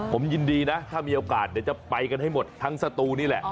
ผมยินดีนะถ้ามีโอกาสเดี๋ยวจะไปกันให้หมดทั้งสตูนี่แหละ